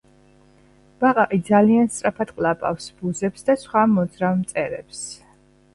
ბაყაყი ძალიან სწრაფად ყლაპავს ბუზებს და სხვა მოძრავ მწერებს